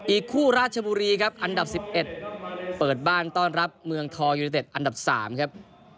อีกคู่ราชบุรีครับอันดับ๑๑เปิดบ้านต้อนรับเมืองทองยูนิเต็ดอันดับ๓ครับ